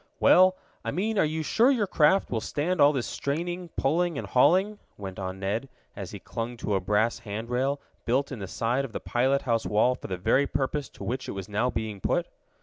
"Well, I mean are you sure your craft will stand all this straining, pulling and hauling?" went on Ned, as he clung to a brass hand rail, built in the side of the pilot house wall for the very purpose to which it was now being put.